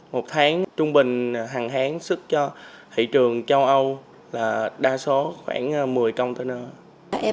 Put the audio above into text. một tháng trung bình hàng tháng sức cho thị trường châu âu là đa số khoảng một mươi container